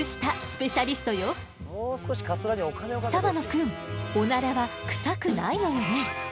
澤野くんオナラはクサくないのよね？